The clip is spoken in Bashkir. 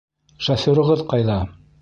Шоферығыҙ ҡайҙа?